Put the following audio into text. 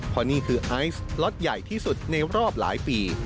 เพราะนี่คือไอซ์ล็อตใหญ่ที่สุดในรอบหลายปี